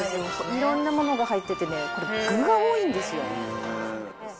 いろんなものが入っててね、これ、具が多いんですよ。